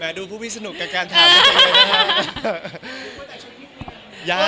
ดูผู้พี่สนุกกับการทำจริงเลยนะครับ